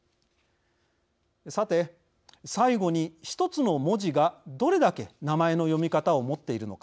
さて最後に１つの文字がどれだけ名前の読み方を持っているのか。